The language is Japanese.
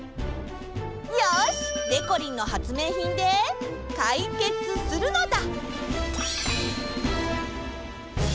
よし！でこりんの発明品でかいけつするのだ！